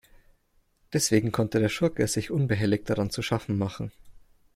Deswegen konnte der Schurke sich unbehelligt daran zu schaffen machen.